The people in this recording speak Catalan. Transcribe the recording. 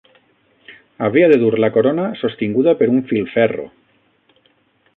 Havia de dur la corona sostinguda per un filferro